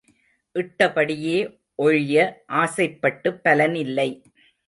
இட்ட படியே ஒழிய ஆசைப்பட்டுப் பலன் இல்லை.